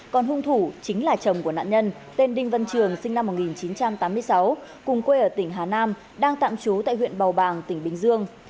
còn hung thủ chính là chồng của nạn nhân tên đinh văn trường sinh năm một nghìn chín trăm tám mươi sáu cùng quê ở tỉnh hà nam đang tạm trú tại huyện bầu bàng tỉnh bình dương